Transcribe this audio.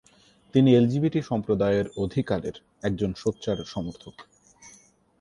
তিনি এলজিবিটি সম্প্রদায়ের অধিকারের একজন সোচ্চার সমর্থক।